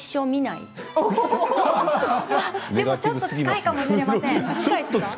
ちょっと近いかもしれません。